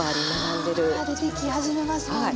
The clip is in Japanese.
あ出てき始めますもんね。